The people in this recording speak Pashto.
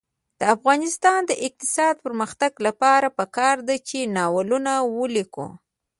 د افغانستان د اقتصادي پرمختګ لپاره پکار ده چې ناولونه ولیکو.